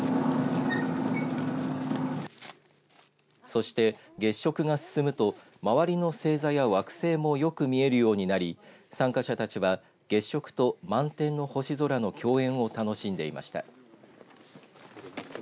そして、月食が進むと周りの正座や惑星もよく見えるようになり参加者たちは月食と満天の星空の共演を楽しんでいました。